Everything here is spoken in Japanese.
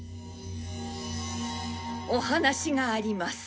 お話があります。